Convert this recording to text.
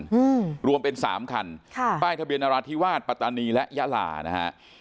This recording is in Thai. อืมรวมเป็นสามคันค่ะป้ายทะเบียนนราธิวาสปัตตานีและยาลานะฮะ